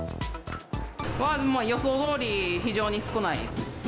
もう予想どおり、非常に少ない。